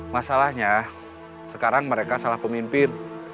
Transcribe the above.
masalahnya sekarang mereka salah pemimpin